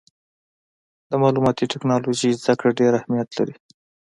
د معلوماتي ټکنالوجۍ زدهکړه ډېر اهمیت لري.